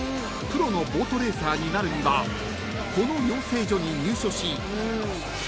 ［プロのボートレーサーになるにはこの養成所に入所し］